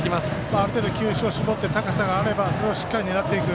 ある程度、球種を絞って高さがあればそれをしっかり狙っていく。